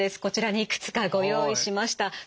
こちらにいくつかご用意しました。